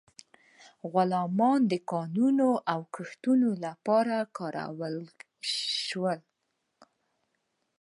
غلامان د کانونو او کښتونو لپاره کارول شول.